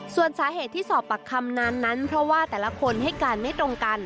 ส่วนสาเหตุที่สอบปากคำนั้นนั้นเพราะว่าแต่ละคนให้การไม่ตรงกัน